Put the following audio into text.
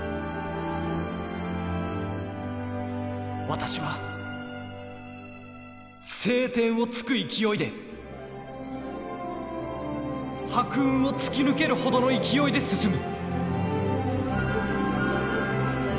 「私は青天を衝く勢いで白雲を突き抜けるほどの勢いで進む！」。